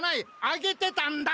あげてたんだ！